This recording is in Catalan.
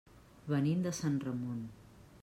Venim de Sant Ramon.